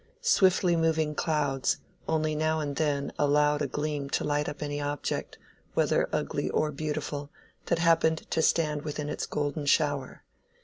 Swiftly moving clouds only now and then allowed a gleam to light up any object, whether ugly or beautiful, that happened to stand within its golden shower.